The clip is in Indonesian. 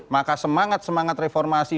maka semangat semangat reformasi